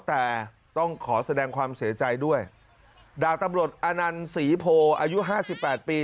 แต่ต้องขอแสดงความเสียใจด้วยดากตำรวจอานัลศรีโภอายุ๕๘ปี